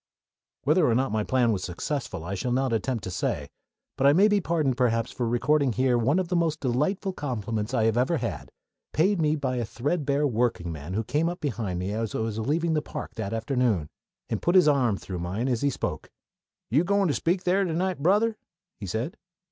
Whether or not my plan was successful I shall not attempt to say; but I may be pardoned, perhaps, for recording here one of the most delightful compliments I have ever had, paid me by a threadbare workingman who came up behind me as I was leaving the park that afternoon, and put his arm through mine as he spoke. "Are you goin' to speak here to night, Brother?" he said.